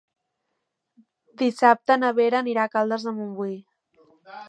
Dissabte na Vera anirà a Caldes de Montbui.